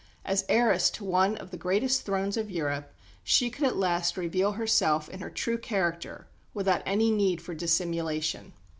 As heiress to one of the greatest thrones of Europe, she could at last reveal herself in her true character, without any need for dissimulation.